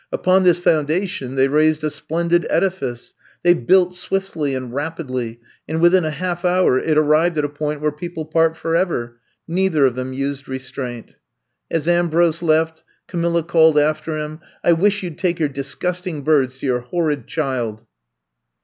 Upon this foundation they raised a splendid edifice. They built swiftly and rapidly and within a half hour it arrived at a point where peo ple part forever. Neither of them used restraint. As Ambrose left, Camilla called after him :I wish you 'd take your disgusting birds to your horrid child.